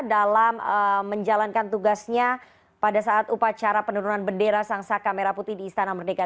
dalam menjalankan tugasnya pada saat upacara penurunan bendera sang saka merah putih di istana merdeka